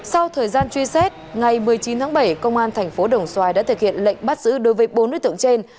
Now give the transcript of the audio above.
sau thời gian truy xét ngày một mươi chín tháng bảy công an thành phố đồng xoài đã thực hiện lệnh bắt giữ đối với bốn đối tượng trên